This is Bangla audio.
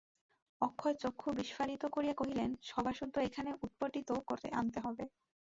অক্ষয় চক্ষু বিস্ফারিত করিয়া কহিলেন, সভাসুদ্ধ এইখানে উৎপাটিত করে আনতে হবে।